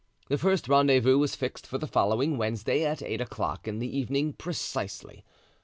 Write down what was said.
The first rendezvous was fixed for the following Wednesday, at eight o'clock in the evening precisely.